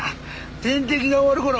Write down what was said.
点滴が終わるころ